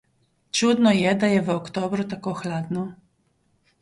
Čudno je, da je v oktobru tako hladno.